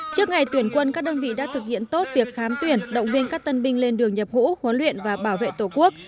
trước ngày tuyển quân các đơn vị đã thực hiện tốt việc khám tuyển động viên các tân binh lên đường nhập ngũ huấn luyện và bảo vệ tổ quốc